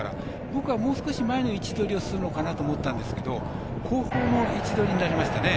僕は、もう少し前で位置取りするのかなと思いましたけど後方の位置取りになりましたね。